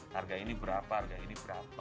harga ini berapa harga ini berapa